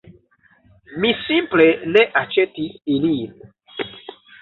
Mi simple ne aĉetis ilin